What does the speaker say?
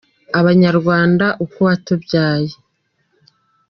Abanyarwanda uko watubyaye